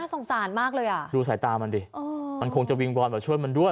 สงสารมากเลยอ่ะดูสายตามันดิมันคงจะวิงวอนว่าช่วยมันด้วย